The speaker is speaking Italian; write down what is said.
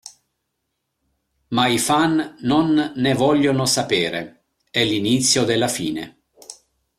Ma i fan non ne vogliono sapere; è l'inizio della fine.